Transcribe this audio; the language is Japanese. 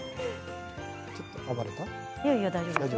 ちょっと暴れた？